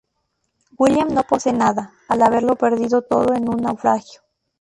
William no posee nada, al haberlo perdido todo en un naufragio.